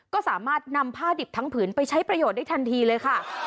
ก็สามารถนำผ้าดิบทั้งผืนไปใช้ประโยชน์ได้ทันทีเลยค่ะ